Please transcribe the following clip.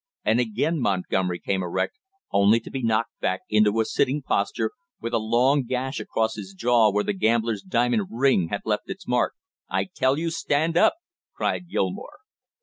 And again Montgomery came erect only to be knocked back into a sitting posture, with a long gash across his jaw where the gambler's diamond ring had left its mark. "I tell you, stand up!" cried Gilmore.